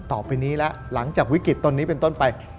ต่อไปนี้แล้วหลังจากวิกฤตตอนนี้เป็นต้นไป